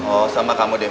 oh sama kamu deh